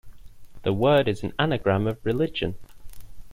The word is an anagram of "religion".